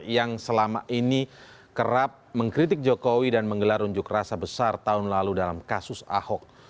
yang selama ini kerap mengkritik jokowi dan menggelar unjuk rasa besar tahun lalu dalam kasus ahok